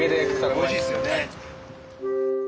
おいしいですよね。